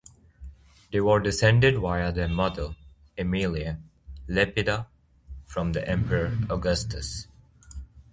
They were descended via their mother, Aemilia Lepida, from the emperor Augustus.